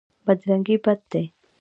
بدرنګي بد دی.